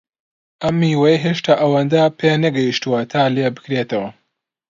ئەم میوەیە هێشتا ئەوەندە پێنەگەیشتووە تا لێبکرێتەوە.